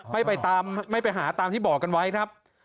ไม่ไปหาตามที่บอกกันไว้ครับ